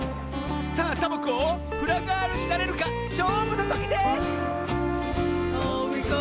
さあサボ子フラガールになれるかしょうぶのときです！